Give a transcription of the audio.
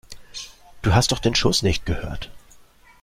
Du hast doch den Schuss nicht gehört!